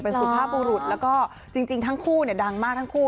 เป็นสุภาพบุรุษแล้วก็จริงทั้งคู่เนี่ยดังมากทั้งคู่